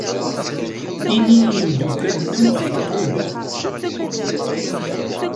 Ini i yimeddukal-nnem ɣef Tatoeba.